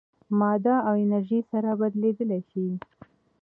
ماده او انرژي سره بدلېدلی شي.